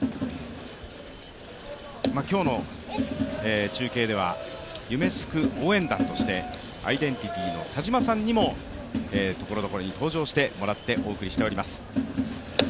今日の中継では夢すく応援団としてアイデンティティの田島さんにもところどころに登場してもらってお送りしています。